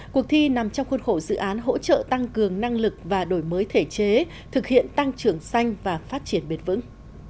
cuộc thi nằm trong khuôn khổ dự án hỗ trợ tăng cường năng lực và đổi mới thể chế thực hiện tăng trưởng xanh và phát triển bền vững